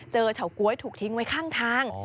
เฉาก๊วยถูกทิ้งไว้ข้างทาง